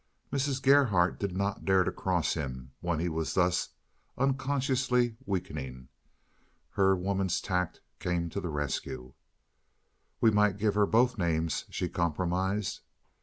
Mrs. Gerhardt did not dare cross him when he was thus unconsciously weakening. Her woman's tact came to the rescue. "We might give her both names," she compromised.